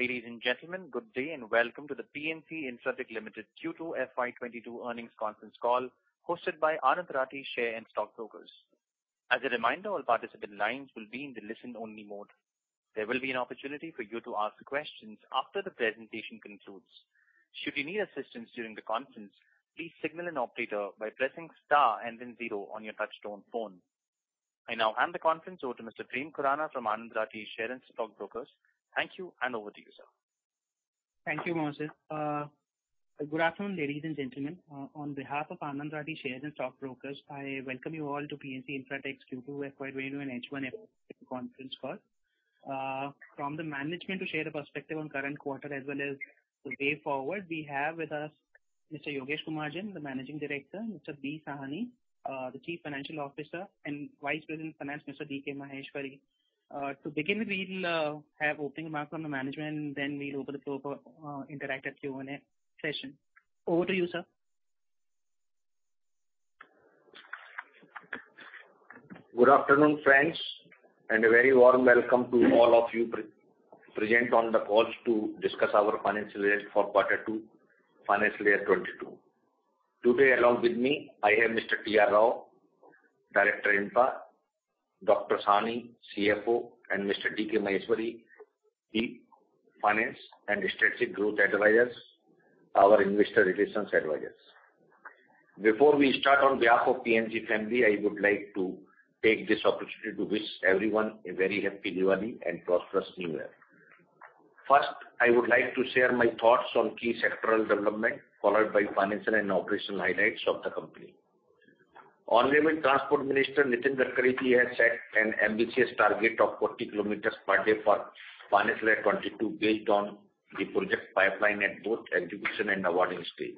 Ladies and gentlemen, good day and welcome to the PNC Infratech Limited Q2 FY 2022 earnings conference call hosted by Anand Rathi Share and Stock Brokers. As a reminder, all participant lines will be in the listen only mode. There will be an opportunity for you to ask questions after the presentation concludes. Should you need assistance during the conference, please signal an operator by pressing star and then zero on your touchtone phone. I now hand the conference over to Mr. Prem Khurana from Anand Rathi Share and Stock Brokers. Thank you, and over to you, sir. Thank you, Moses. Good afternoon, ladies and gentlemen. On behalf of Anand Rathi Share and Stock Brokers, I welcome you all to PNC Infratech's Q2 FY 2022 and H1 conference call. From the management to share the perspective on current quarter as well as the way forward, we have with us Mr. Yogesh Kumar Jain, the Managing Director, Mr. Bhupinder Kumar Sawhney, the Chief Financial Officer, and Vice President Finance, Mr. DK Maheshwari. To begin with, we'll have opening remarks from the management, and then we'll open the floor for interactive Q&A session. Over to you, sir. Good afternoon, friends, and a very warm welcome to all of you pre-present on the call to discuss our financial results for quarter two, financial year 2022. Today, along with me, I have Mr. TR Rao, Director Infra, Dr. Sahani, Chief Financial Officer, and Mr. DK Maheshwari, Chief Finance, and Strategic Growth Advisors, our Investor Relations advisors. Before we start, on behalf of PNC family, I would like to take this opportunity to wish everyone a very happy Diwali and prosperous new year. First, I would like to share my thoughts on key sectoral development, followed by financial and operational highlights of the company. Honorable Transport Minister Nitin Gadkari has set an ambitious target of 40 km per day for financial year 2022 based on the project pipeline at both execution and awarding stage.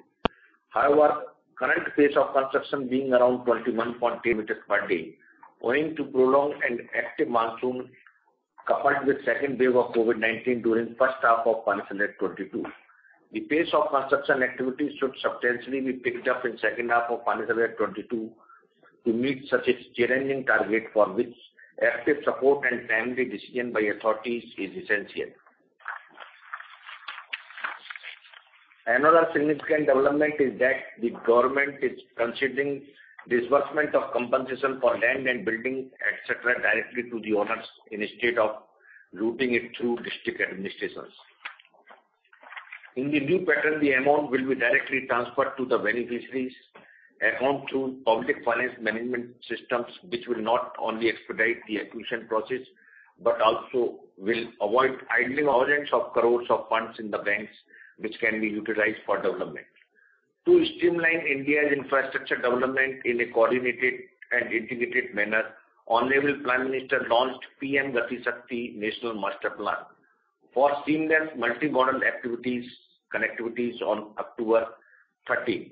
However, current pace of construction being around 21.3 meters per day, owing to prolonged and active monsoon coupled with second wave of COVID-19 during first half of FY 2022. The pace of construction activities should substantially be picked up in second half of FY 2022 to meet such a challenging target for which active support and timely decision by authorities is essential. Another significant development is that the government is considering disbursement of compensation for land and building, et cetera, directly to the owners instead of routing it through district administrators. In the new pattern, the amount will be directly transferred to the beneficiaries account through Public Financial Management System, which will not only expedite the acquisition process, but also will avoid idling billions of crores of funds in the banks, which can be utilized for development. To streamline India's infrastructure development in a coordinated and integrated manner, Honorable Prime Minister launched PM GatiShakti National Master Plan for seamless multi-modal activities, connectivities on October 13th.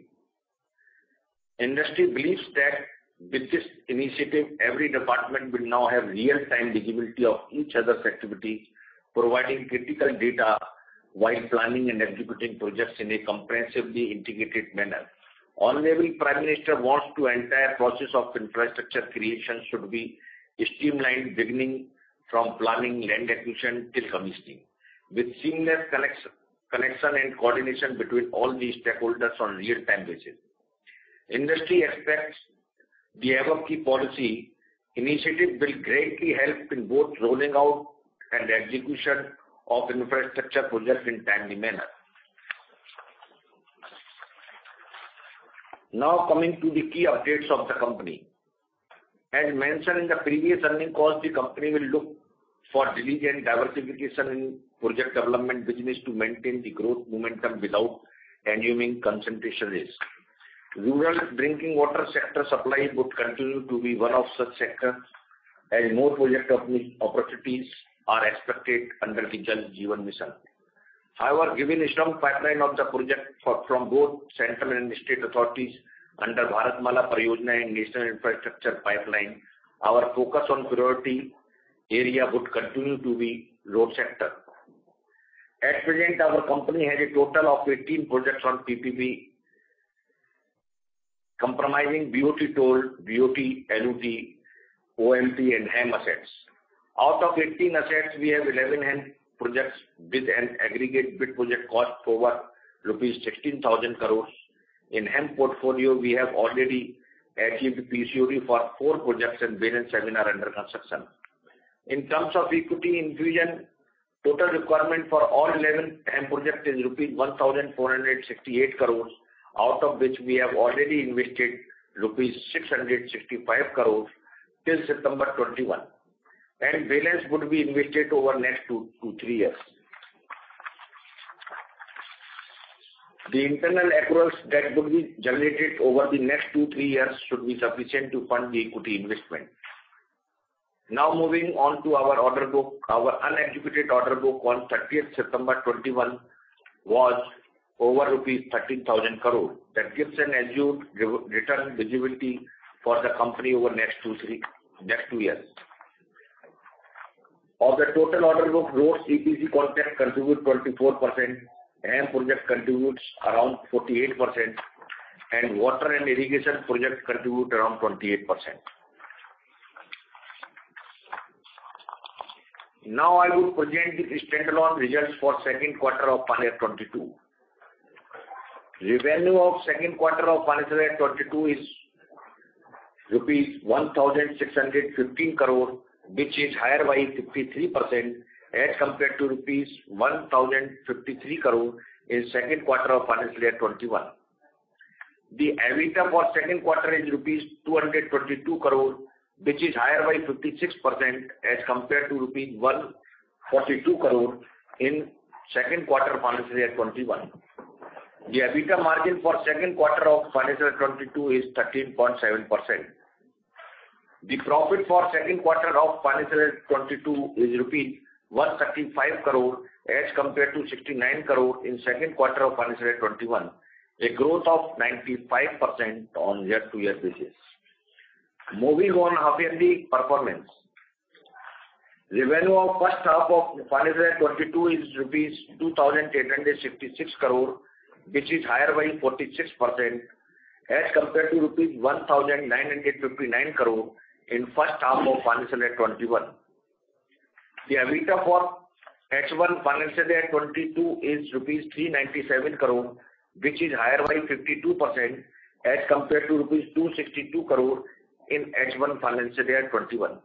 Industry believes that with this initiative, every department will now have real-time visibility of each other's activities, providing critical data while planning and executing projects in a comprehensively integrated manner. Honorable Prime Minister wants to ensure entire process of infrastructure creation should be streamlined, beginning from planning, land acquisition till commissioning with seamless connection and coordination between all the stakeholders on real-time basis. Industry expects the above key policy initiative will greatly help in both rolling out and execution of infrastructure projects in timely manner. Now coming to the key updates of the company. As mentioned in the previous earnings calls, the company will look for diligent diversification in project development business to maintain the growth momentum without assuming concentration risk. Rural drinking water sector supply would continue to be one of such sectors, as more project opportunities are expected under Jal Jeevan Mission. However, given a strong pipeline of projects from both central and state authorities under Bharatmala Pariyojana and National Infrastructure Pipeline, our focus on priority area would continue to be road sector. At present, our company has a total of 18 projects on PPP comprising BOT toll, BOT, EPC, OMT and HAM assets. Out of 18 assets, we have 11 HAM projects with an aggregate bid project cost over rupees 16,000 crores. In HAM portfolio, we have already achieved PCOD for four projects, and balance seven are under construction. In terms of equity infusion, total requirement for all 11 HAM projects is rupees 1,468 crore, out of which we have already invested rupees 665 crore till September 2021. Balance would be invested over next two to three years. The internal accruals that would be generated over the next two, three years should be sufficient to fund the equity investment. Now moving on to our order book. Our unexecuted order book on September 30th, 2021 was over rupees 13,000 crore. That gives an assured revenue visibility for the company over next two, three, next two years. Of the total order book, road EPC contract contributes 24%, HAM project contributes around 48%, and water and irrigation projects contribute around 28%. Now I will present the standalone results for second quarter of FY 2022. Revenue of second quarter of FY 2022 is rupees 1,615 crore, which is higher by 53% as compared to rupees 1,053 crore in second quarter of FY 2021. The EBITDA for second quarter is rupees 222 crore, which is higher by 56% as compared to rupees 142 crore in second quarter of FY 2021. The EBITDA margin for second quarter of FY 2022 is 13.7%. The profit for second quarter of FY 2022 is rupees 135 crore as compared to 69 crore in second quarter of FY 2021, a growth of 95% on year-over-year basis. Moving on, half-yearly performance. Revenue of first half of FY 2022 is INR 2,866 crore, which is higher by 46% as compared to INR 1,959 crore in first half of FY 2021. The EBITDA for H1 FY 2022 is rupees 397 crore, which is higher by 52% as compared to rupees 262 crore in H1 FY 2021.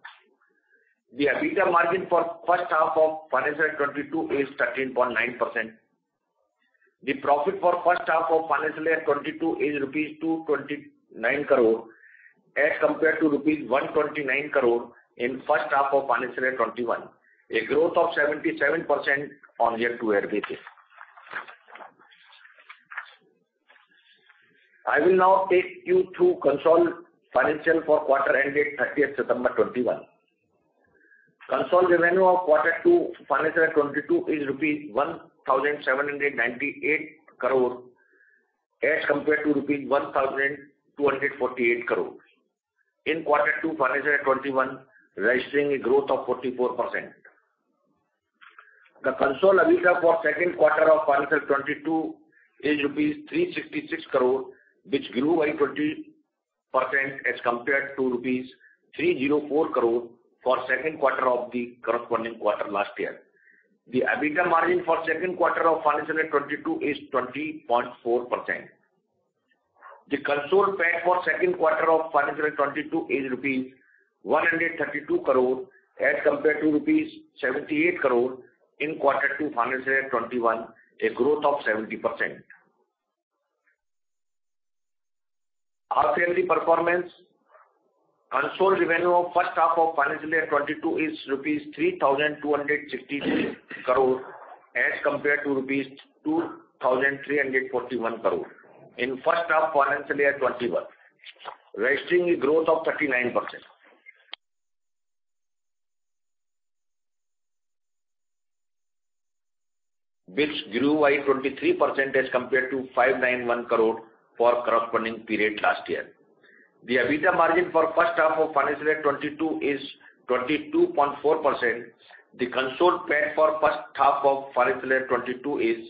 The EBITDA margin for first half of FY 2022 is 13.9%. The profit for first half of FY 2022 is rupees 229 crore as compared to rupees 129 crore in first half of FY 2021, a growth of 77% on year-over-year basis. I will now take you through consolidated financials for quarter ended 30 September 2021. Consolidated revenue of quarter two financial year 2022 is rupees 1,798 crore as compared to rupees 1,248 crore in quarter two financial year 2021, registering a growth of 44%. The consolidated EBITDA for second quarter of financial year 2022 is rupees 366 crore, which grew by 20% as compared to rupees 304 crore for second quarter of the corresponding quarter last year. The EBITDA margin for second quarter of financial year 2022 is 20.4%. The consolidated PAT for second quarter of financial year 2022 is rupees 132 crore as compared to rupees 78 crore in quarter two financial year 2021, a growth of 70%. Half-yearly performance. Consolidated revenue of first half of financial year 2022 is rupees 3,263 crore as compared to rupees 2,341 crore in first half financial year 2021, registering a growth of 39%. Which grew by 23% as compared to 591 crore for corresponding period last year. The EBITDA margin for first half of financial year 2022 is 22.4%. The consolidated PAT for first half of financial year 2022 is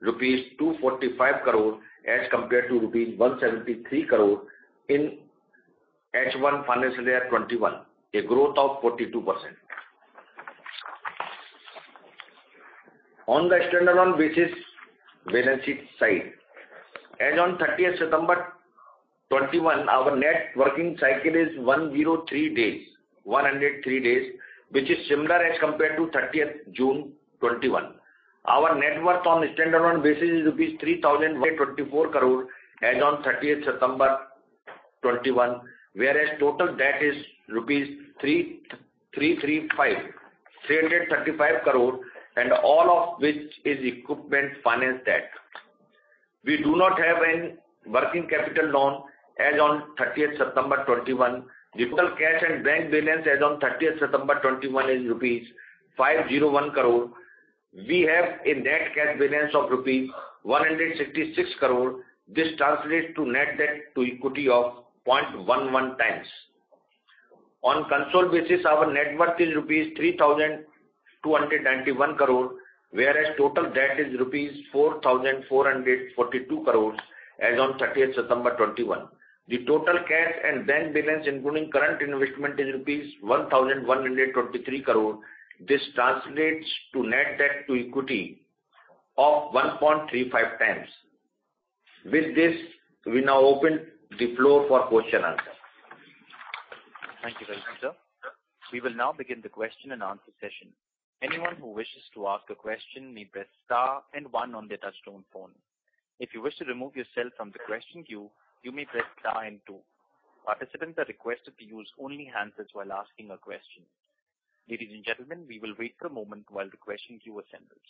rupees 245 crore as compared to rupees 173 crore in H1 financial year 2021, a growth of 42%. On the standalone basis, balance sheet side. As on September 30th, 2021, our net working cycle is 103 days, which is similar as compared to 30th June 2021. Our net worth on standalone basis is 3,124 crore as on September 30th, 2021, whereas total debt is rupees 3,335 crore, and all of which is equipment finance debt. We do not have any working capital loan as on September 30th, 2021. The total cash and bank balance as on September 30th, 2021 is rupees 501 crore. We have a net cash balance of rupees 166 crore. This translates to net debt to equity of 0.11x. On consolidated basis, our net worth is rupees 3,291 crore, whereas total debt is rupees 4,442 crores as on September 30th, 2021. The total cash and bank balance including current investment is rupees 1,123 crore. This translates to net debt to equity of 1.35x. With this, we now open the floor for Q&A. Thank you very much, sir. We will now begin the question and answer session. Anyone who wishes to ask a question may press star and one on their touch-tone phone. If you wish to remove yourself from the question queue, you may press star and two. Participants are requested to use only handset while asking a question. Ladies and gentlemen, we will wait for a moment while the question queue assembles.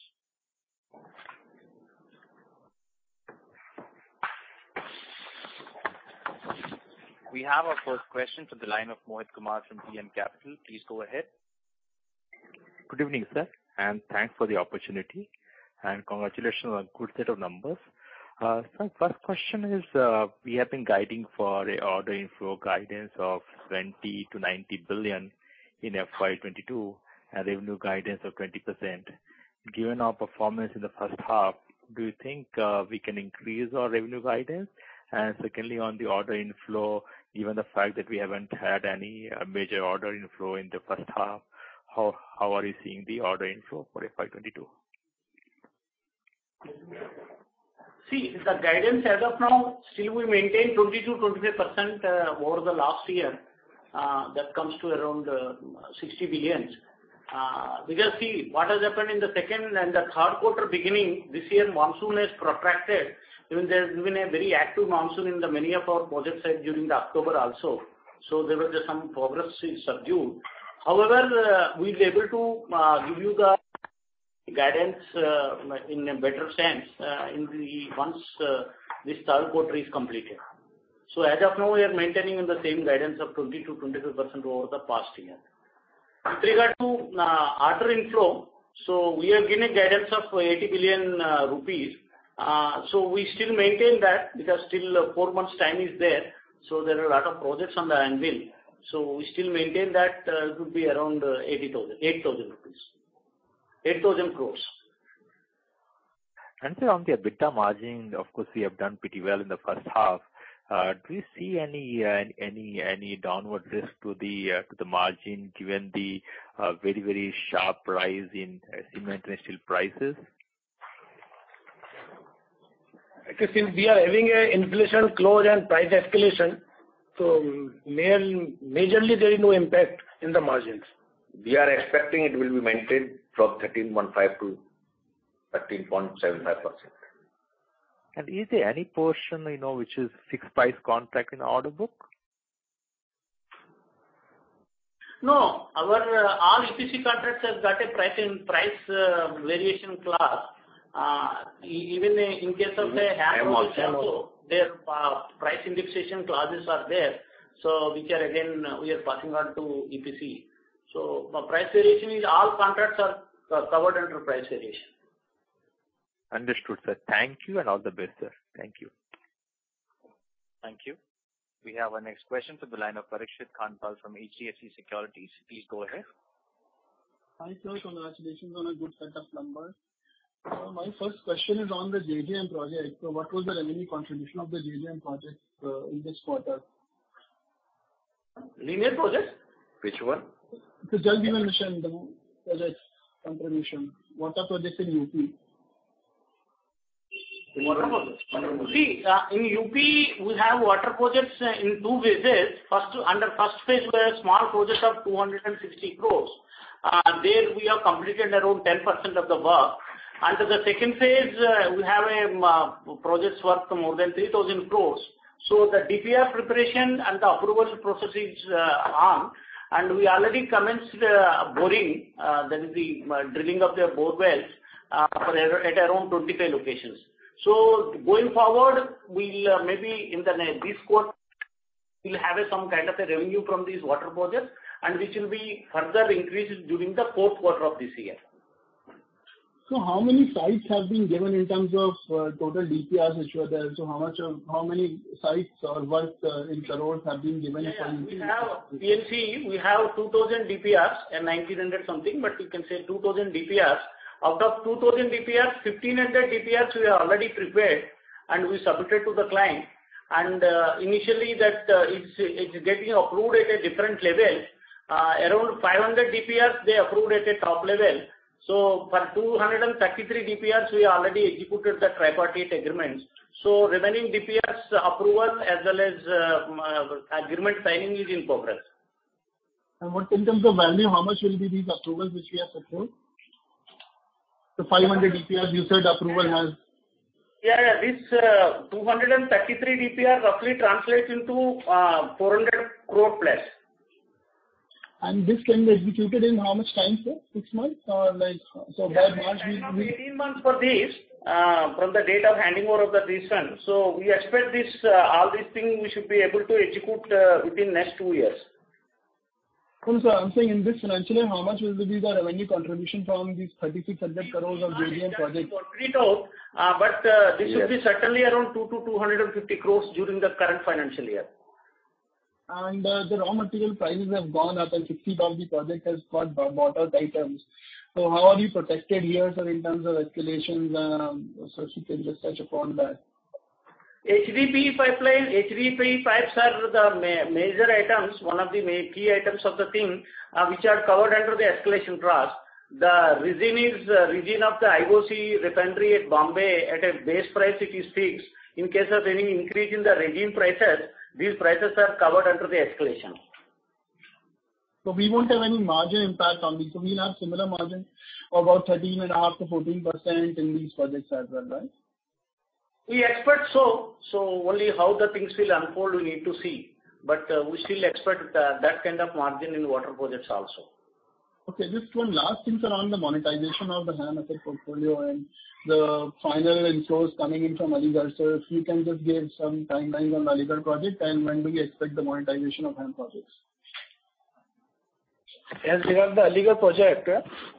We have our first question from the line of Mohit Kumar from DAM Capital. Please go ahead. Good evening, sir, and thanks for the opportunity. Congratulations on good set of numbers. Sir, first question is, we have been guiding for order inflow guidance of 20 billion-90 billion in FY 2022, a revenue guidance of 20%. Given our performance in the first half, do you think we can increase our revenue guidance? Secondly, on the order inflow, given the fact that we haven't had any major order inflow in the first half, how are you seeing the order inflow for FY 2022? See, the guidance as of now, still we maintain 20%-23% over the last year, that comes to around 60 billion. Because, see, what has happened in the second and the third quarter beginning this year, monsoon has protracted. Even there's been a very active monsoon in many of our project sites during October also. There was some progress was subdued. However, we'll be able to give you the guidance in a better sense once this third quarter is completed. As of now, we are maintaining on the same guidance of 20%-22% over the past year. With regard to order inflow, we have given a guidance of 80 billion rupees. We still maintain that because still four months time is there. There are a lot of projects on the anvil. We still maintain that it would be around 8,000 crores. Sir, on the EBITDA margin, of course, we have done pretty well in the first half. Do you see any downward risk to the margin given the very sharp rise in cement and steel prices? Okay. Since we are having an inflation clause and price escalation, mainly, there is no impact on the margins. We are expecting it will be maintained from 13.5%-13.75%. Is there any portion you know which is fixed price contract in the order book? No. Our all EPC contracts have got a price variation clause. Even in case of the HAM also- HAM also. Their price indexation clauses are there. Which are again, we are passing on to EPC. Price variation in all contracts are covered under price variation. Understood, sir. Thank you and all the best, sir. Thank you. Thank you. We have our next question from the line of Parikshit Kandpal from HDFC Securities. Please go ahead. Hi, sir. Congratulations on a good set of numbers. My first question is on the JJM project. What was the revenue contribution of the JJM project in this quarter? JJM project? Which one? Just the mentioned project contribution, water project in UP. Water project. See, in UP, we have water projects in two phases. First, under first phase, we have small projects of 260 crore. There we have completed around 10% of the work. Under the second phase, we have projects worth more than 3,000 crore. The DPR preparation and the approval process is on, and we already commenced boring, that is the drilling of the bore wells, for at around 25 locations. Going forward, we'll maybe in this quarter we'll have some kind of a revenue from these water projects, and which will be further increased during the fourth quarter of this year. How many sites have been given in terms of total DPRs which were there? How much of how many sites or work in crores have been given for- Yeah. We have 2000 DPRs and 1900 DPRs something, but you can say 2000 DPRs. Out of 2000 DPRs, 1500 DPRs we have already prepared and we submitted to the client. Initially that, it's getting approved at a different level. Around 500 DPRs, they approved at a top level. For 233 DPRs, we already executed the tripartite agreements. Remaining DPRs approval as well as agreement signing is in progress. What in terms of value, how much will be these approvals which we have secured? The 500 DPRs you said approval has... Yeah, yeah. This 233 DPR roughly translates into 400 crore+. This can be executed in how much time, sir? Six months or like so by March next year. We have 18 months for this from the date of handing over of the site. We expect this all these things we should be able to execute within next two years. No, sir. I'm saying in this financial year, how much will be the revenue contribution from these 3,300 crore of JJM projects? It's too early to tell. This should be certainly around 200-250 crores during the current financial year. The raw material prices have gone up, and 50% of the project has got BOT items. How are you protected here, sir, in terms of escalations? If you can just touch upon that. HDPE pipeline, HDPE pipes are the major items, one of the key items of the thing, which are covered under the escalation clause. The regime of the IOC refinery at Bombay at a base price it is fixed. In case of any increase in the regime prices, these prices are covered under the escalation. We won't have any margin impact on this. We'll have similar margin of about 13.5%-14% in these projects as well, right? We expect so. Only how the things will unfold, we need to see. We still expect that kind of margin in water projects also. Okay. Just one last thing, sir, on the monetization of the HAM asset portfolio and the final inflows coming in from Aligarh. If you can just give some timelines on Aligarh project and when do we expect the monetization of HAM projects? As regards the Aligarh project,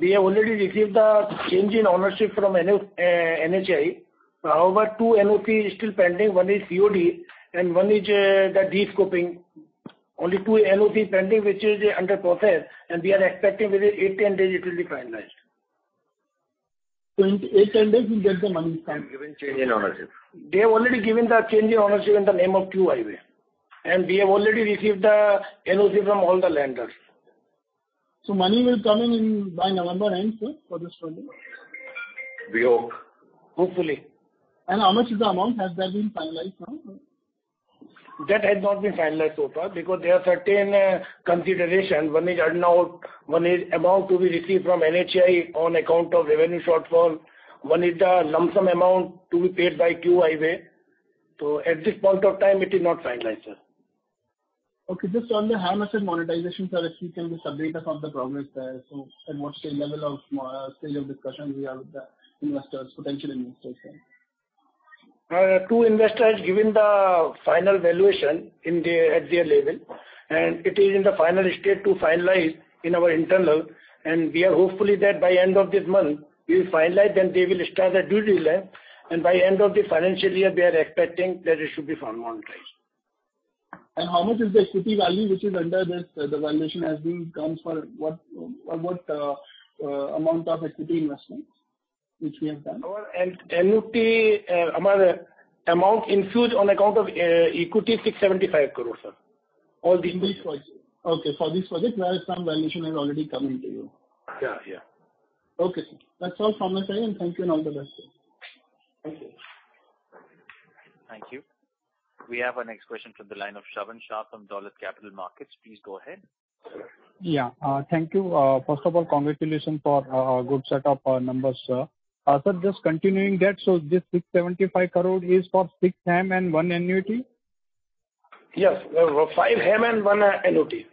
we have already received the change in ownership from NHAI. However, two NOC is still pending. One is COD and one is the descoping. Only two NOC pending, which is under process, and we are expecting within eight days to 10 days it will be finalized. In 8-10 days we'll get the money, sir. They've given change in ownership. They have already given the change in ownership in the name of Cube Highways, and we have already received the NOC from all the lenders. Money will come in by November end, sir, for this project? We hope. Hopefully. How much is the amount? Has that been finalized now? That has not been finalized so far because there are certain consideration. One is earn out, one is amount to be received from NHAI on account of revenue shortfall. One is the lump sum amount to be paid by Q Highway. So at this point of time, it is not finalized, sir. Okay. Just on the Hamirpur monetization, sir, if you can just update us on the progress there. At what stage, level of, stage of discussion we are with the investors, potential investors there. Two investors have given the final valuation at their level, and it is in the final stage to finalize in our internal, and we are hopeful that by end of this month we'll finalize, then they will start the due diligence, and by end of the financial year, we are expecting that it should be finalized. How much is the equity value which is under this, the valuation has been done for what amount of equity investment which we have done? Our equity amount infused on account of equity, 675 crore, sir. All the- For this project. Okay, for this project where some valuation has already come in to you. Yeah, yeah. Okay. That's all from my side. Thank you and all the best, sir. Thank you. Thank you. We have our next question from the line of Shravan Shah from Dolat Capital Market. Please go ahead. Thank you. First of all, congratulations for good set of numbers, sir. Sir, just continuing that, this 675 crore is for six HAM and one annuity? Yes. 5 HAM and 1 annuity.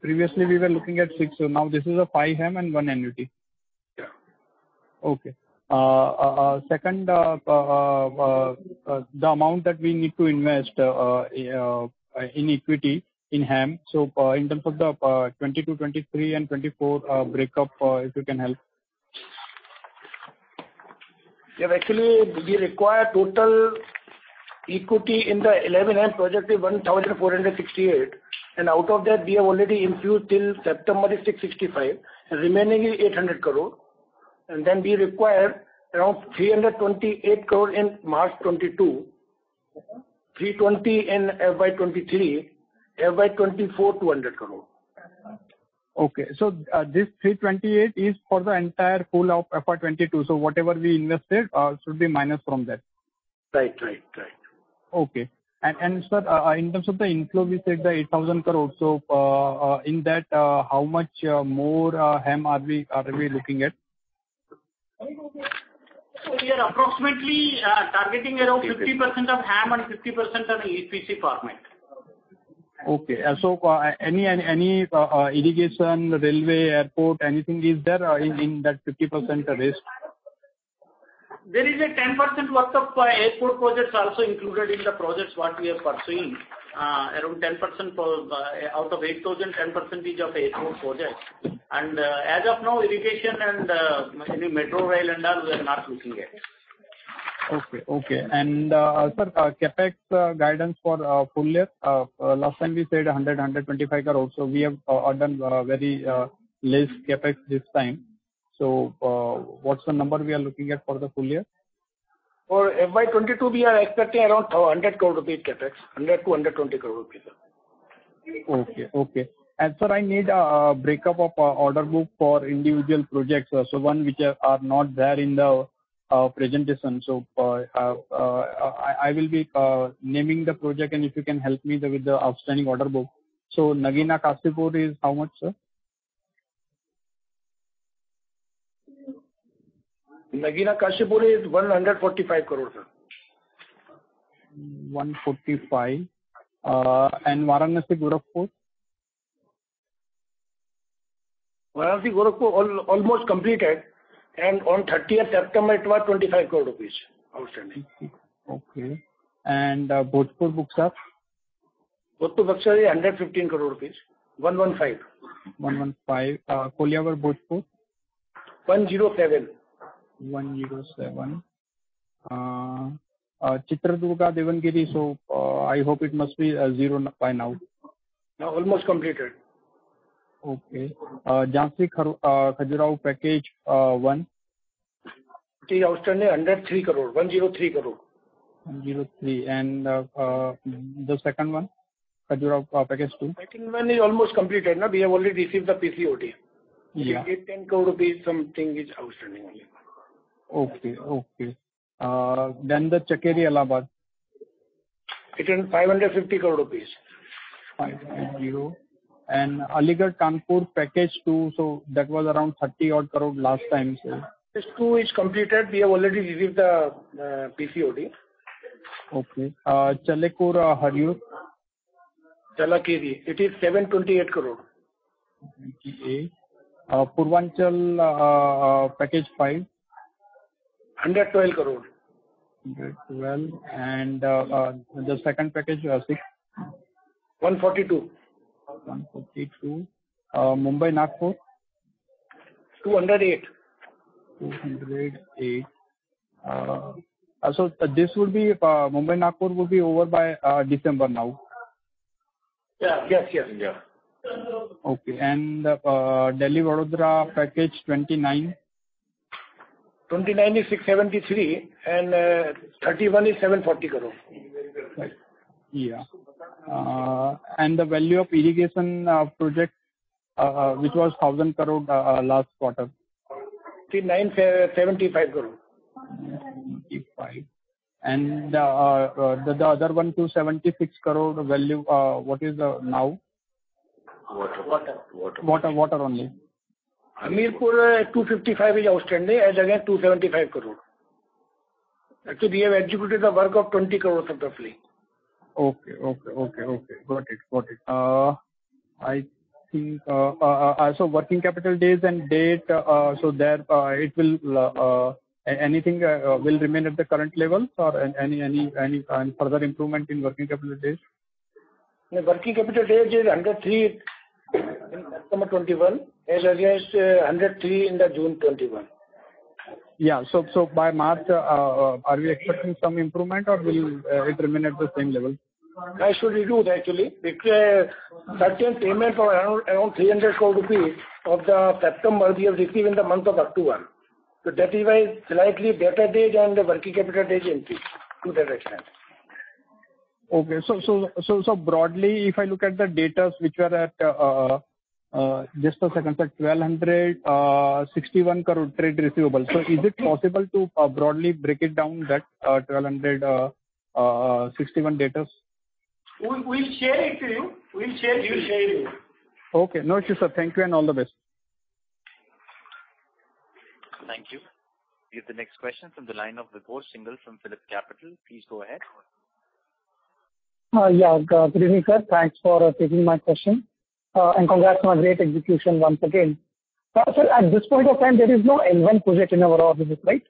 Previously we were looking at 6, so now this is a 5 HAM and 1 annuity. Yeah. Second, the amount that we need to invest in equity in HAM, so in terms of the 2020-2023 and 2024 breakup, if you can help. Actually, we require total equity in the 11 HAM projects is 1,468, and out of that, we have already infused till September is 665. Remaining is 800 crore. Then we require around 328 crore in March 2022. Okay. 320 crore in FY 2023. FY 2024, INR 200 crore. Okay, this 328 is for the entire full of FY 2022. Whatever we invested should be minus from that. Right. Okay. Sir, in terms of the inflow, we said the 8,000 crore, so in that, how much more HAM are we looking at? We are approximately targeting around 50% of HAM and 50% of EPC format. Okay. Any irrigation, railway, airport, anything is there in that 50% risk? There is a 10% worth of airport projects also included in the projects what we are pursuing. Around 10% for out of 8,000, 10% of airport projects. As of now, irrigation and any metro rail and all, we are not looking at. Sir, CapEx guidance for full year. Last time you said 125 crore. We have done very less CapEx this time. What's the number we are looking at for the full year? For FY 2022, we are expecting around 100 crore rupee CapEx. 100-120 crore rupee, sir. Okay. Sir, I need a breakup of order book for individual projects. One which are not there in the presentation. I will be naming the project and if you can help me with the outstanding order book. Nagina-Kashipur is how much, sir? Nagina-Kashipur is INR 145 crore, sir. 145. Varanasi-Gorakhpur? Varanasi-Gorakhpur almost completed. On September 30th it was INR 25 crore outstanding. Okay. Bhojpur-Buxar? Bhojpur-Buxar is 115 crore rupees. 115 crore. 115 crore. Koilwar-Bhojpur? 107 score. 107 crore. Chitradurga-Davanagere, so I hope it must be 0 crore by now. Almost completed. Okay. Jhansi-Khajuraho package 1? Okay. Outstanding INR 103 crore. INR 103 crore. The second one, Khajuraho, package 2? Second one is almost completed. Now we have already received the PCOD. Yeah. 18 crore rupees something is outstanding only. Okay, the Chakeri-Allahabad. It is INR 550 crore. INR 550. Aligarh-Kanpur package two, so that was around 30-odd crore last time, sir. Package two is completed. We have already received the PCOD. Okay. Challakere-Hiriyur. Challakere. It is INR 728 crore. Purvanchal Package 5? 112 crore. INR 112 crore. The second package, 6? INR 142 crore. INR 142 crore. Mumbai-Nagpur? INR 208 crore. 208 crore. This will be Mumbai-Nagpur will be over by December now. Yeah. Yes, yes. Yeah. Okay. Delhi-Vadodara Package 29? Package 29 is 673 crore, and Package 31 is 740 crore. Yeah. The value of irrigation project, which was 1,000 crore, last quarter. 975 crore. 975 crore. The other one, 276 crore value, what is it now? Water. Water. Water. Water, water only. Hamirpur, 255 is outstanding, as against INR 275 crore. Actually, we have executed the work of INR 20 crore roughly. Okay. Got it. I think working capital days and debt will remain at the current levels? Or any further improvement in working capital days? The working capital days is under three days in September 2021, as against 103 days in June 2021. Yeah. By March, are we expecting some improvement or will it remain at the same level? I should reduce, actually, because certain payment of around 300 crore rupees of September we have received in the month of October. That is why slightly better days and the working capital days increased to that extent. Okay. Broadly, if I look at the data which were at, just a second, sir, INR 1,261 crore trade receivables. Is it possible to broadly break it down that 1,261 crore datas? We'll share it to you. We'll share it. Okay. No issues, sir. Thank you and all the best. Thank you. We have the next question from the line of Vibhor Singhal from PhillipCapital. Please go ahead. Good evening, sir. Thanks for taking my question. Congrats on great execution once again. Sir, at this point of time, there is no L1 project in our order book, right?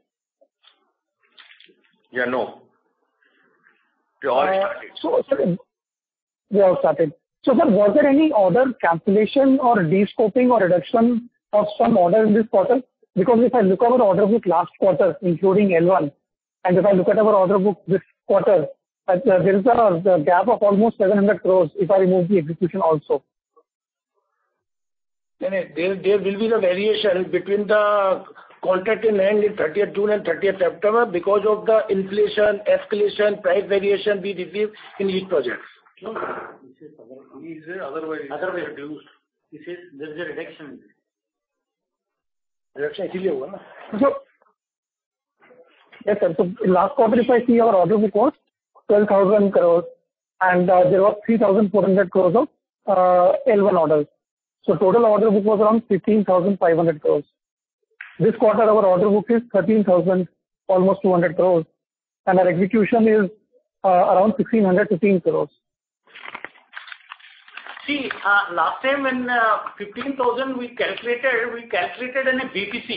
Yeah, no. We all started. Sir, was there any order cancellation or de-scoping or reduction of some order in this quarter? Because if I look at our order book last quarter, including L1, and if I look at our order book this quarter, there is a gap of almost 700 crores if I remove the execution also. No, no. There will be the variation between the contract in hand in June 30th and September 30th because of the inflation, escalation, price variation we receive in each project. No, he said otherwise. Otherwise reduced. He said there's a reduction. Reduction Yes, sir. Last quarter, if I see our order book was 12,000 crore and there was 3,400 crore of L1 orders. Total order book was around 15,500 crore. This quarter our order book is almost 13,200 crore, and our execution is around 1,615 crore. See, last time when 15,000 crore we calculated in a BPC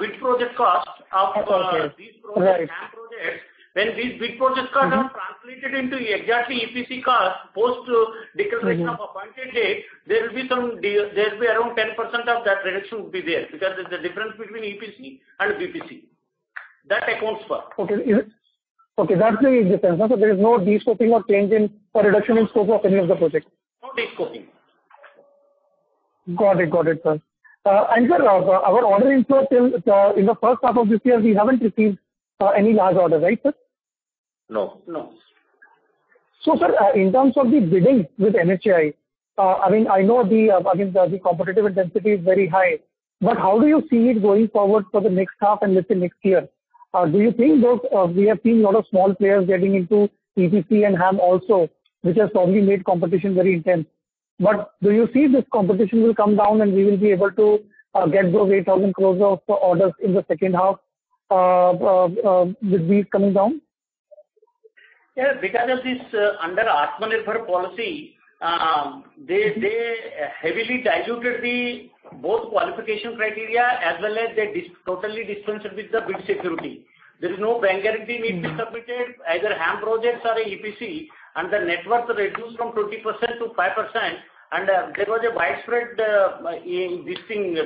bid project cost of Okay. Got it. These projects, HAM projects. When these bid project costs are translated into the exact EPC cost, post declaration of Appointed Date, there will be around 10% of that reduction will be there because there's a difference between EPC and BPC. That accounts for. Okay, that's the difference. Now, there is no de-scoping or change in or reduction in scope of any of the projects. No de-scoping. Got it, sir. sir, our order inflow till now in the first half of this year, we haven't received any large order, right, sir? No. No. Sir, in terms of the bidding with NHAI, I mean, I know the competitive intensity is very high, but how do you see it going forward for the next half and let's say next year? Do you think we have seen a lot of small players getting into EPC and HAM also, which has probably made competition very intense. Do you see this competition will come down and we will be able to get those 8,000 crores of orders in the second half, with these coming down? Yeah, because of this, under Atmanirbhar policy, they heavily diluted both qualification criteria as well as they totally dispensed with the bid security. There is no bank guarantee being submitted, either HAM projects or EPC, and the net worth reduced from 20%-5%, and there was a widespread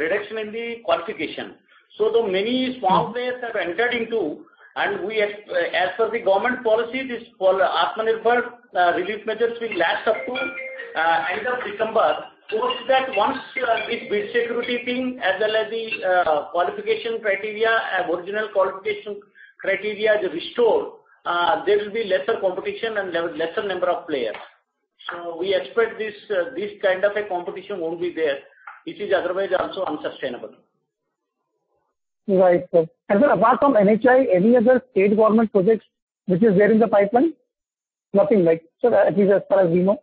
reduction in the qualification. Many small players have entered into, and as per the government policy, this Atmanirbhar relief measures will last up to end of December. Post that once with bid security as well as the qualification criteria, original qualification criteria is restored, there will be lesser competition and lesser number of players. We expect this kind of a competition won't be there. This is otherwise also unsustainable. Right, sir. Sir, apart from NHAI, any other state government projects which is there in the pipeline? Nothing, right? Sir, at least as far as we know.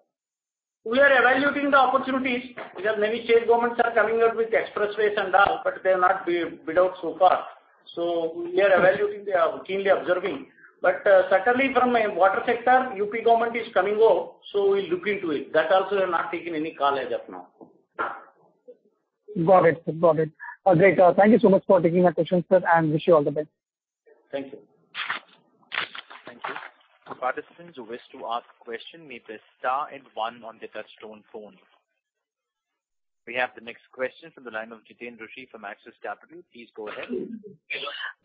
We are evaluating the opportunities because many state governments are coming out with expressways and all, but they have not bid out so far. We are evaluating, keenly observing. Secondly, from a water sector, UP government is coming out, so we'll look into it. That also we have not taken any call as of now. Got it. Great. Thank you so much for taking my questions, sir, and wish you all the best. Thank you. Thank you. Participants who wish to ask question may press star and one on their touchtone phone. We have the next question from the line of Jiten Rushi from Axis Capital. Please go ahead.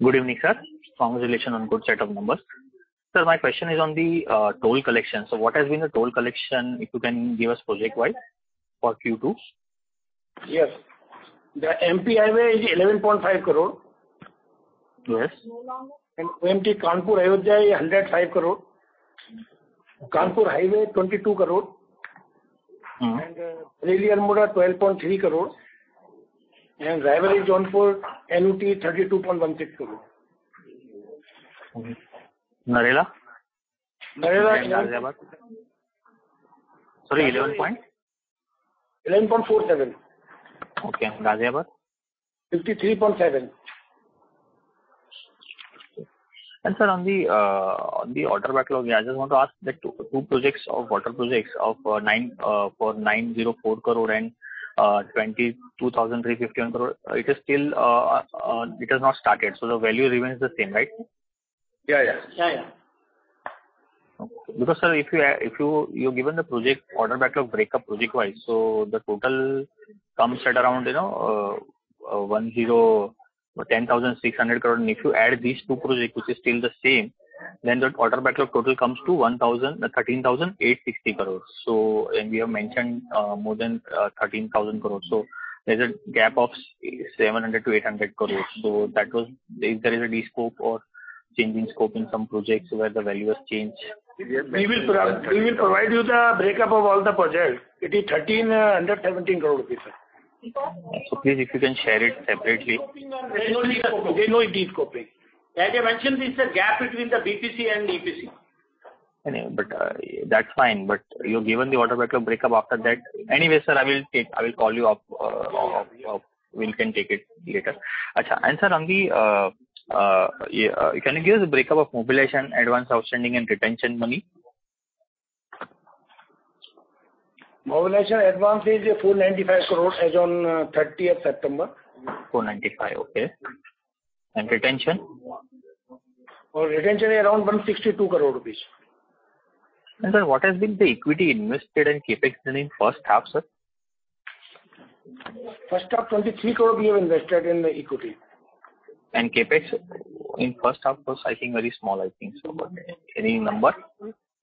Good evening, sir. Congratulations on good set of numbers. Sir, my question is on the toll collection. What has been the toll collection, if you can give us project-wise for Q2? Yes. The MP highway is 11.5 crore. Yes. OMT Kanpur Ayodhya is 105 crore. Kanpur highway, 22 crore. Mm-hmm. And Delhi Almora, 12.3 crore. And Rae Bareli-Jaunpur, INR 32.16 crore. Okay. Bareilly? Bareilly- Ghaziabad? Sorry, 11 crore point? 11.47 crore. Okay. Ghaziabad? 53.7 crore Sir, on the order backlog, yeah, I just want to ask the two water projects of 904 crore and 22,351 crore. It is still, it has not started, so the value remains the same, right? Yeah. Okay. Because sir, if you've given the project order backlog breakup project-wise, so the total comes at around, you know, 10,600 crore. If you add these two projects, which is still the same, then the order backlog total comes to 13,860 crore. We have mentioned more than 13,000 crore. There's a gap of 700 crore-800 crore. That was if there is a descope or changing scope in some projects where the value has changed. We will provide you the breakup of all the projects. It is INR 1,317 crore. Please, if you can share it separately. There's no de-scope. As I mentioned, it's a gap between the BPC and EPC. That's fine. You've given the order backlog breakup after that. Anyway, sir, I will call you up. We can take it later. Sir, on the yeah, can you give the breakup of mobilization, advance outstanding and retention money? Mobilization advance is INR 495 crore as on September 30th. INR 495 crore. Okay. Retention? Retention is around INR 162 crore. Sir, what has been the equity invested in CapEx in first half, sir? First half, 23 crore we have invested in the equity. CapEx? In first half it was I think very small, I think so. Any number?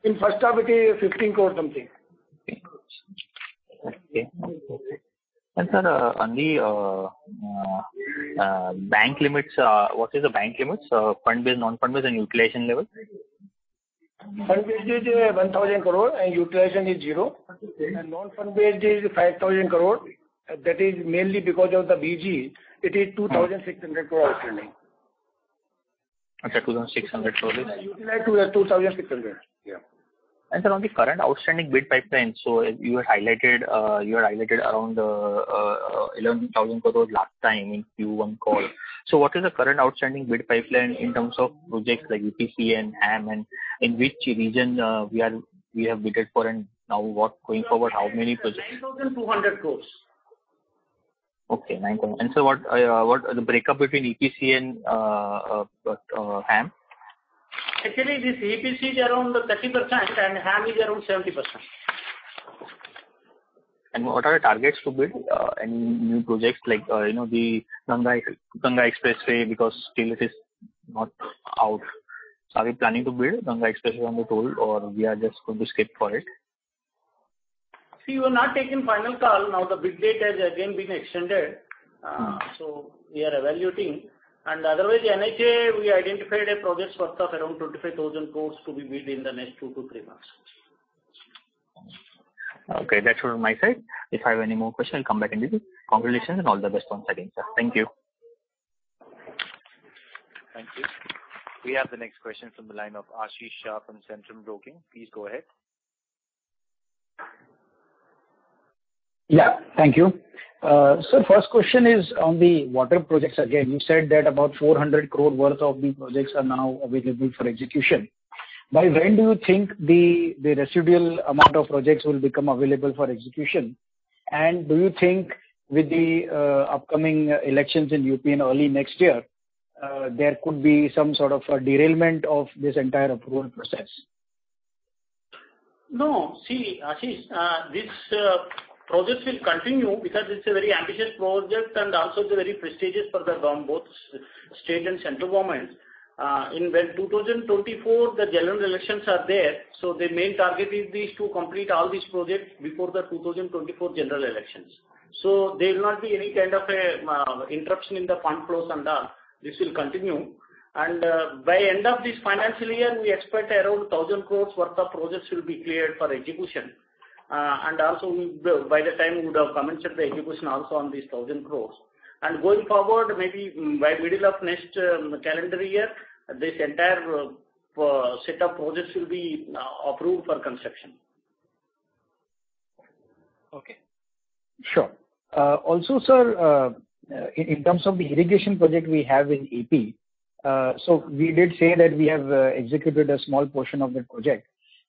In first half it is 15 crore something. Okay. Sir, on the bank limits, what is the bank limits, fund-based, non-fund based and utilization level? Fund-based is INR 1,000 crore and utilization is zero. Non-fund based is INR 5,000 crore. That is mainly because of the BGs. It is 2,600 crore outstanding. Okay. 2,600 crore total. INR 2,600 crore. Yeah. Sir, on the current outstanding bid pipeline. You had highlighted around 11,000 crore last time in Q1 call. What is the current outstanding bid pipeline in terms of projects like EPC and HAM and in which region we have bid for and what going forward, how many projects? Nine thousand two hundred crores. Sir, what is the breakup between EPC and HAM? Actually, this EPC is around 30% and HAM is around 70%. What are the targets to bid any new projects like, you know, the Ganga Expressway because still it is not out? Are we planning to build Ganga Expressway on the toll or we are just going to skip for it? See, we've not taken final call. Now the bid date has again been extended. Mm-hmm. We are evaluating. Otherwise, the NHAI, we identified a project worth of around 25,000 crore to be bid in the next two to three months. Okay. That's all my side. If I have any more questions, I'll come back in this. Congratulations and all the best once again, sir. Thank you. Thank you. We have the next question from the line of Ashish Shah from Centrum Broking. Please go ahead. Yeah. Thank you. First question is on the water projects again. You said that about 400 crore worth of the projects are now available for execution. By when do you think the residual amount of projects will become available for execution? And do you think with the upcoming elections in UP in early next year, there could be some sort of a derailment of this entire approval process? No. See, Ashish, this project will continue because it's a very ambitious project and also it's very prestigious for the government, both state and central government. In 2024, when the general elections are there, the main target is this to complete all these projects before the 2024 general elections. There will not be any kind of a interruption in the fund flows and this will continue. By end of this financial year, we expect around 1,000 crores worth of projects will be cleared for execution. By the time we would have commenced the execution also on these 1,000 crores. Going forward, maybe by middle of next calendar year, this entire set of projects will be approved for construction. Okay, sure. Also, sir, in terms of the irrigation project we have in AP, we did say that we have executed a small portion of that project.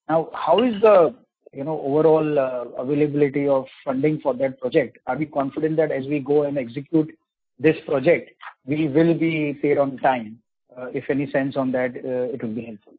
Now, how is the, you know, overall availability of funding for that project? Are we confident that as we go and execute this project, we will be paid on time? If any sense on that, it will be helpful.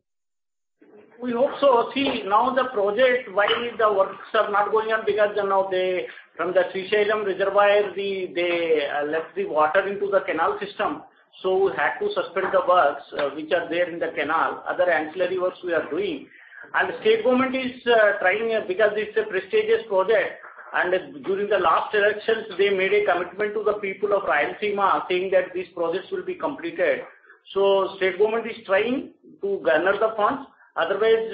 We hope so. See, now the project, why the works are not going on because, you know, they from the Srisailam reservoir, they let the water into the canal system, so we had to suspend the works, which are there in the canal. Other ancillary works we are doing. The state government is trying, because it's a prestigious project, and during the last elections, they made a commitment to the people of Rayalaseema saying that these projects will be completed. State government is trying to garner the funds. Otherwise,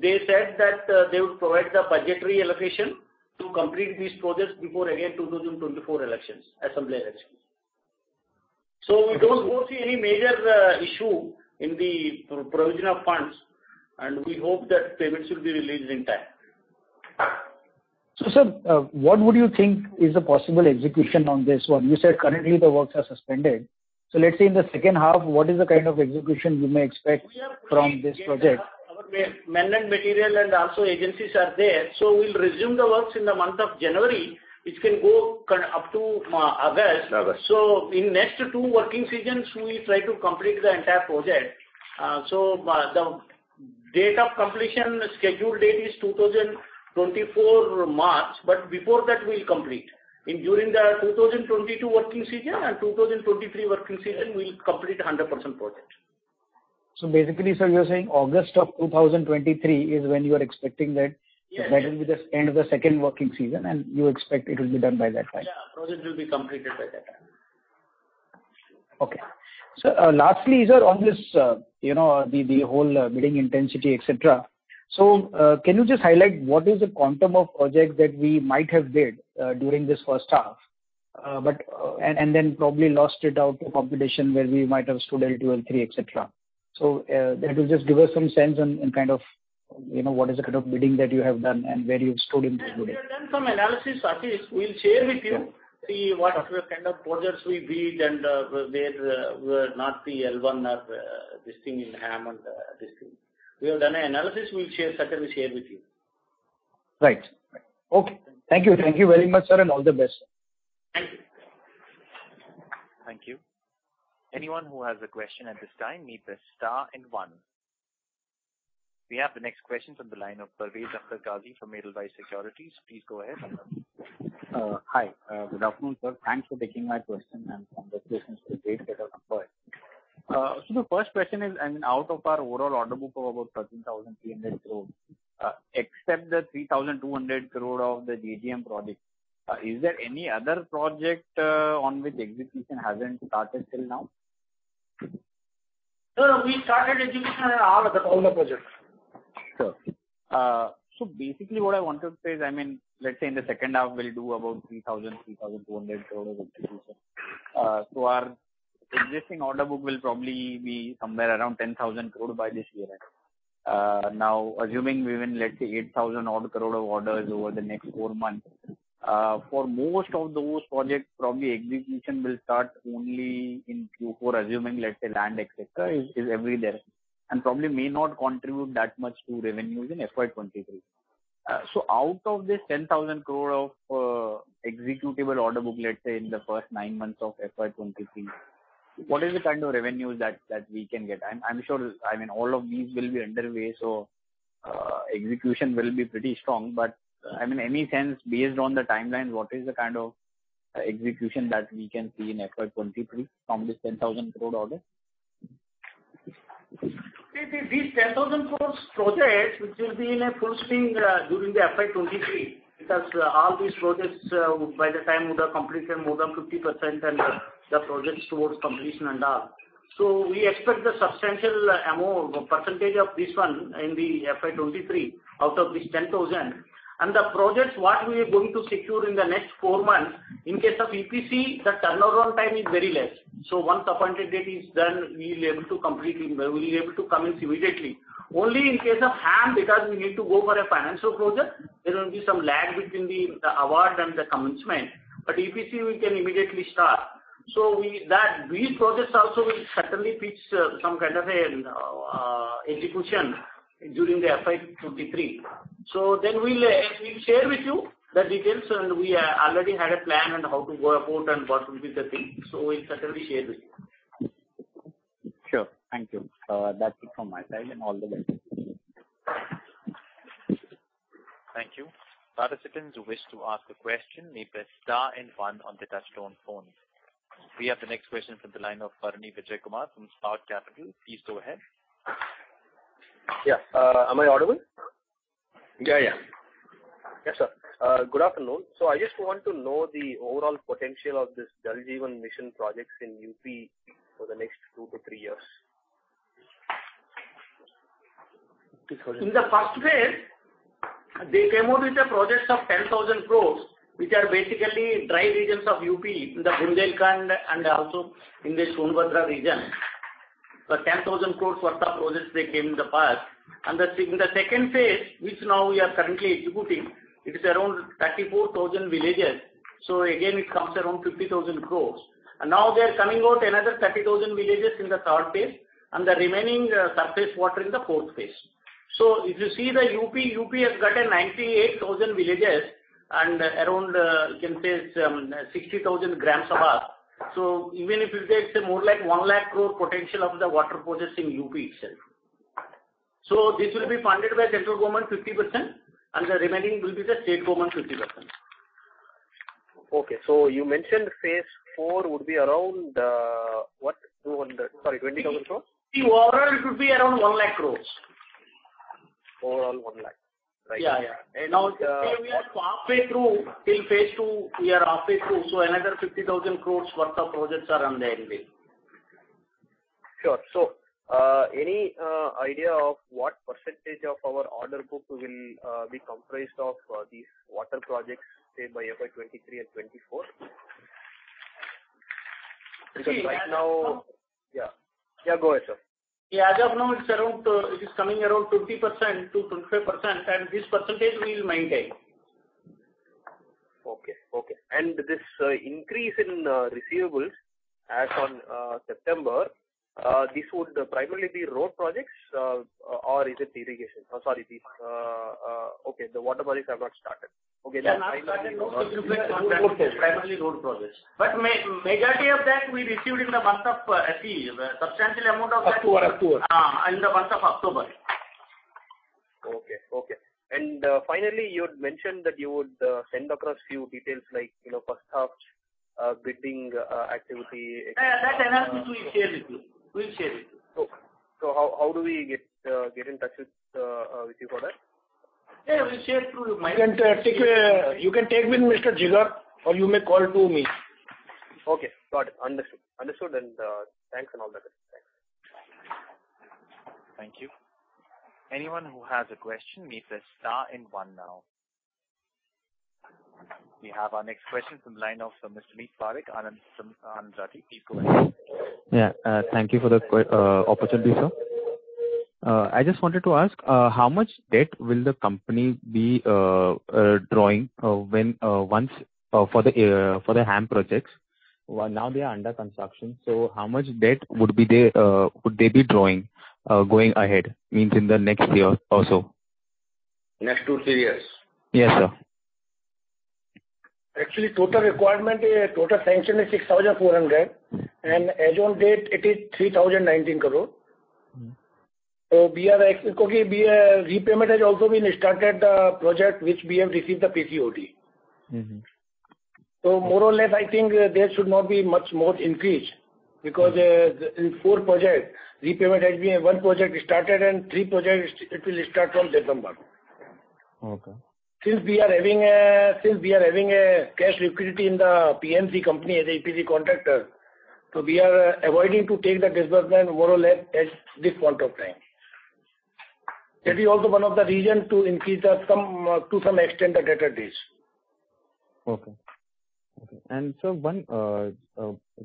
they said that, they would provide the budgetary allocation to complete these projects before again 2024 elections, assembly elections. We don't foresee any major issue in the provision of funds, and we hope that payments will be released in time. Sir, what would you think is the possible execution on this one? You said currently the works are suspended. Let's say in the second half, what is the kind of execution we may expect from this project? We are planning. Yes, our men and material and also agencies are there, so we'll resume the works in the month of January. It can go up to August. August. In the next two working seasons, we will try to complete the entire project. The date of completion, scheduled date is March 2024, but before that we'll complete. In the 2022 working season and 2023 working season, we'll complete 100% project. Basically, sir, you're saying August of 2023 is when you are expecting that? Yes. that will be the end of the second working season, and you expect it will be done by that time. Yeah. Project will be completed by that time. Okay. Lastly, sir, on this, you know, the whole bidding intensity, et cetera. Can you just highlight what is the quantum of projects that we might have bid during this first half and then probably lost out to competition where we might have stood L2, L3, et cetera? That will just give us some sense on kind of, you know, what is the kind of bidding that you have done and where you've stood in this bidding. We have done some analysis, Ashish. We'll share with you. Sure. See what kind of projects we bid and where we're not the L1 or this thing in HAM and this thing. We have done a analysis. We'll share, certainly share with you. Right. Okay. Thank you. Thank you very much, sir, and all the best. Thank you. Thank you. Anyone who has a question at this time needs to press star one. We have the next question on the line of Parvez Akhtar Qazi from Edelweiss Securities. Please go ahead. Hi. Good afternoon, sir. Thanks for taking my question and congratulations for the great set of numbers. The first question is, and out of our overall order book of about 13,300 crore, except the 3,200 crore of the JJM project, is there any other project on which execution hasn't started till now? No, we started execution on all the projects. Sure. So basically what I wanted to say is, I mean, let's say in the second half, we'll do about 3,200 crore of execution. So our existing order book will probably be somewhere around 10,000 crore by this year end. Now, assuming we win, let's say, 8,000 odd crore of orders over the next four months, for most of those projects, probably execution will start only in Q4, assuming, let's say, land, et cetera, is available. Probably may not contribute that much to revenues in FY 2023. So out of this 10,000 crore of executable order book, let's say, in the first nine months of FY 2023, what is the kind of revenues that we can get? I'm sure, I mean, all of these will be underway, so execution will be pretty strong. I mean, any sense based on the timeline, what is the kind of execution that we can see in FY 2023 from this 10,000 crore order? See, these 10,000 crore projects, which will be in full swing during the FY 2023, because all these projects by the time would have completed more than 50% and the projects towards completion and all. We expect a substantial percentage of this in the FY 2023 out of this 10,000 crore. The projects what we are going to secure in the next four months, in case of EPC, the turnaround time is very less. Once the Appointed Date is done, we'll be able to commence immediately. Only in case of HAM, because we need to go for a financial closure, there will be some lag between the award and the commencement. EPC, we can immediately start. These projects also will certainly pitch some kind of execution during the FY 2023. We'll share with you the details, and we already had a plan on how to go about and what will be the thing. We'll certainly share with you. Sure. Thank you. That's it from my side, and all the best. Thank you. Participants who wish to ask a question need to press star one on the touch-tone phones. We have the next question from the line of Bharanidhar Vijayakumar from Spark Capital. Please go ahead. Yeah. Am I audible? Yeah, yeah. Yes, sir. Good afternoon. I just want to know the overall potential of this Jal Jeevan Mission projects in UP for the next 2-3 years. In the first phase, they came out with a project of 10,000 crores, which are basically dry regions of U.P., in the Bundelkhand and also in the Sonbhadra region. The 10,000 crores worth of projects they came in the past. In the second phase which now we are currently executing, it is around 34,000 villages. Again, it comes around 50,000 crores. Now they are coming out another 30,000 villages in the third phase and the remaining surface water in the fourth phase. If you see the U.P., U.P. has got 98,000 villages and around you can say it's 60,000 grams above. Even if you take, say, more like 1 lakh crore potential of the water projects in U.P. itself. This will be funded by Central Government 50%, and the remaining will be the State Government 50%. Okay. You mentioned phase IV would be around, what? 20,000 crore? The overall it would be around 1,00,000 crore. Overall 1 lakh. Right. Yeah, yeah. Now, we are halfway through. In phase two we are halfway through, so another 50,000 crore worth of projects are on the anvil. Sure. Any idea of what percentage of our order book will be comprised of these water projects, say, by FY 2023 and 2024? Because right now- See, as of. Yeah. Yeah, go ahead, sir. Yeah. As of now, it's around, it is coming around 20%-25%, and this percentage we'll maintain. Okay. This increase in receivables as on September, this would primarily be road projects, or is it irrigation? Oh, sorry. Okay, the water bodies have not started. Okay. Primarily road projects. Majority of that we received in the month of, actually, the substantial amount of that October in the month of October. Finally, you had mentioned that you would send across few details like, you know, first half bidding activity. Yeah, that I have to share with you. We'll share with you. Okay. How do we get in touch with you for that? Yeah, we'll share through email. You can take with Mr. Jigar, or you may call me. Okay. Got it. Understood, and thanks and all that. Thanks. Thank you. Anyone who has a question may press star and one now. We have our next question from line of Mr. Leek Parekh, Anand Rathi. Please go ahead. Thank you for the opportunity, sir. I just wanted to ask how much debt will the company be drawing when once for the HAM projects? Well, now they are under construction, so how much debt would they be drawing going ahead? Means in the next year or so. Next two to three years. Yes, sir. Actually, total requirement, total sanction is 6,400 crore, and as on date it is 3,019 crore. Mm-hmm. Repayment has also been started for the project which we have received the PCOD. Mm-hmm. More or less, I think there should not be much more increase because the four project repayment has been one project started and three projects it will start from December. Okay. Since we are having a cash liquidity in the PNC company as EPC contractor, we are avoiding to take the disbursement more or less at this point of time. That is also one of the reason to increase to some extent the debtor days. Okay. Sir, one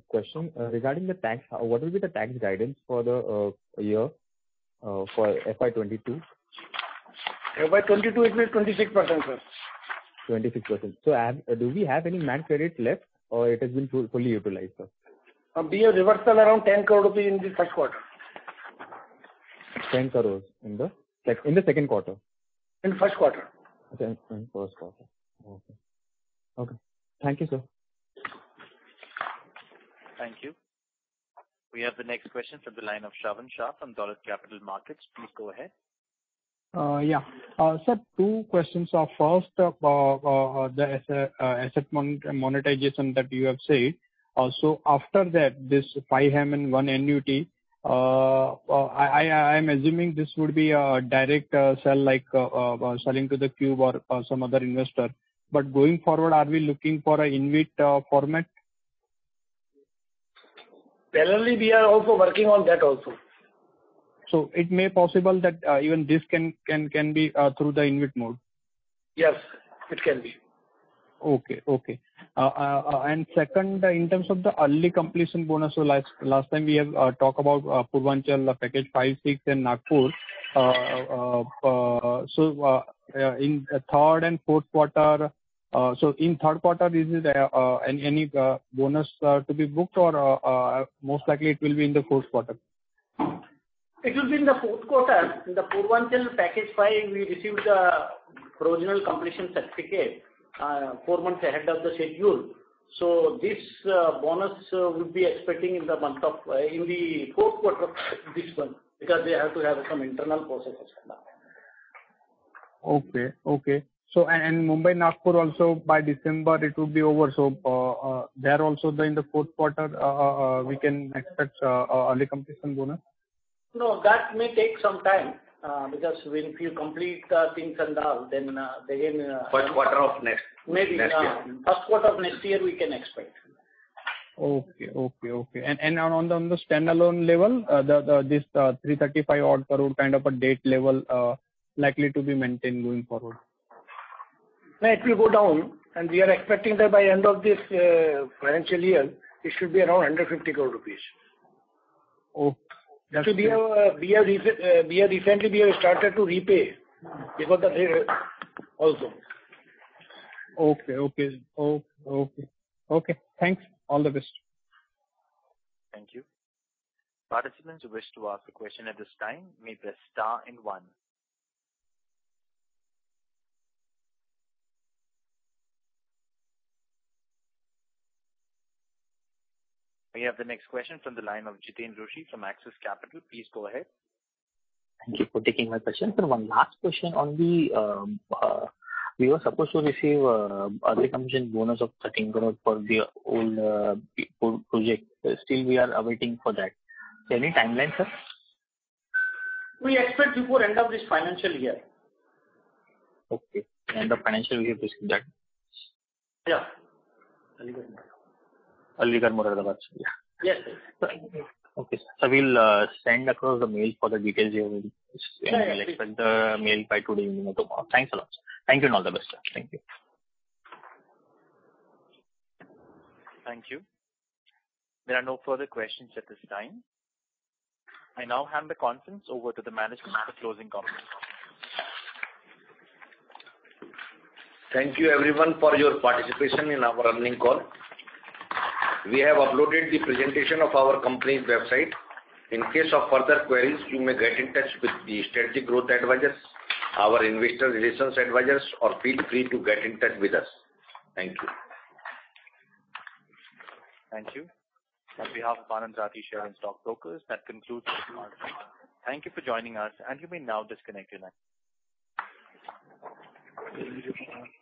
question regarding the tax. What will be the tax guidance for the year for FY 2022? FY 2022 it is 26%, sir. 26%. Do we have any MAT credit left or it has been fully utilized, sir? We have reversal around 10 crore rupees in the first quarter. 10 crore in the second quarter? In first quarter. Okay. In first quarter. Okay. Thank you, sir. Thank you. We have the next question from the line of Shravan Shah from Dolat Capital Market. Please go ahead. Sir, 2 questions. First, the asset monetization that you have said. So after that, this 5 HAM and 1 annuity, I'm assuming this would be a direct sell like selling to the Cube or some other investor. Going forward, are we looking for an InvIT format? Parallelly we are also working on that also. It may be possible that even this can be through the InvIT mode? Yes, it can be. Okay, second, in terms of the early completion bonus. Last time we have talked about Purvanchal package 5,6 in Nagpur in third and fourth quarter. In third quarter, is it any bonus to be booked or most likely it will be in the fourth quarter? It will be in the fourth quarter. In the Purvanchal Package 5, we received the provisional completion certificate four months ahead of the schedule. This bonus would be expecting in the month of in the fourth quarter this one, because they have to have some internal processes. Mumbai-Nagpur also by December it will be over. There also in the fourth quarter we can expect early completion bonus? No, that may take some time, because we'll file complete things and all, then, again. First quarter of next year. Maybe, yeah. First quarter of next year we can expect. On the standalone level, this 335 odd crore kind of a debt level likely to be maintained going forward? No, it will go down. We are expecting that by end of this financial year, it should be around 150 crore rupees. Oh, that's. We have recently started to repay because of the also. Okay. Thanks. All the best. Thank you. Participants who wish to ask a question at this time may press star and one. We have the next question from the line of Jiten Rushi from Axis Capital. Please go ahead. Thank you for taking my question. One last question. We were supposed to receive other commission bonus of 13 crore for the old project, but still we are awaiting for that. Any timeline, sir? We expect before end of this financial year. Okay. End of financial year we'll receive that. Yeah. Early or more advanced, yeah. Yes. Okay. We'll send across the mail for the details you have and I'll expect the mail by today evening or tomorrow. Thanks a lot, sir. Thank you and all the best, sir. Thank you. Thank you. There are no further questions at this time. I now hand the conference over to the management for closing comments. Thank you everyone for your participation in our earnings call. We have uploaded the presentation on our company's website. In case of further queries, you may get in touch with the Strategic Growth Advisors, our Investor Relations Advisors, or feel free to get in touch with us. Thank you. Thank you. On behalf of Anand Rathi Share and Stock Brokers, that concludes our call. Thank you for joining us, and you may now disconnect your line.